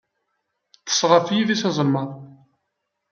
Ṭṭes ɣef yidis azelmaḍ.